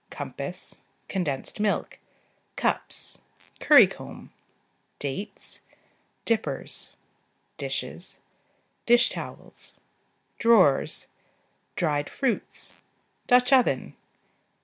Compass. Condensed milk. Cups. Currycomb. Dates. Dippers. Dishes. Dish towels. Drawers. Dried fruits. Dutch oven.